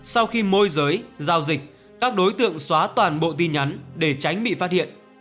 sau khi môi giới giao dịch các đối tượng xóa toàn bộ tin nhắn để tránh bị phát hiện